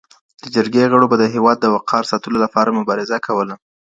د جرګي غړو به د هیواد د وقار ساتلو لپاره مبارزه کوله.